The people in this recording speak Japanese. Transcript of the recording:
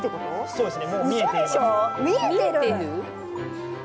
そうですね。